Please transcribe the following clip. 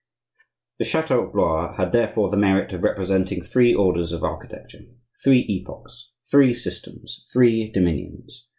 The chateau of Blois had, therefore, the merit of representing three orders of architecture, three epochs, three systems, three dominions.